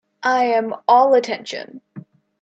I am all attention.